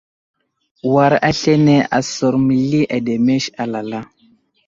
War aslane asər məli ademes alala.